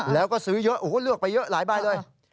แล้วก็ซื้อเยอะโอ้โหเลือกไปเยอะหลายใบเลย